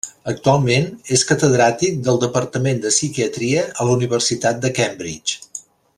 Actualment, és catedràtic del departament de Psiquiatria a la Universitat de Cambridge.